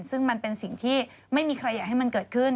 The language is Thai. ซึ่งมันเป็นสิ่งที่ไม่มีใครอยากให้มันเกิดขึ้น